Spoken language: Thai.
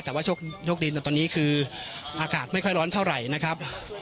แต่ว่าโชคดีตอนนี้คืออากาศไม่ค่อยร้อนเท่าไหร่นะครับ